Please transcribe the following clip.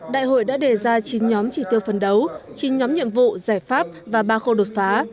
đại hội đã đề ra chín nhóm chỉ tiêu phấn đấu chín nhóm nhiệm vụ giải pháp và ba khâu đột phá